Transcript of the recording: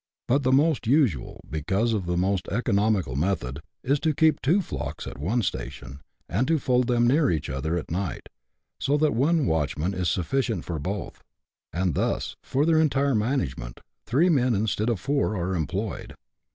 But the most usual, because the most economical method, is to keep two flocks at one station, and to fold them near each other at night, so that one watchman is sufficient for both ; and thus, for their entire management, three men instead of four are employed.